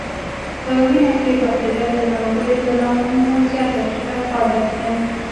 په وینه کې بکتریا د ناروغیو د لاملونو زیات او چټک فعالیت دی.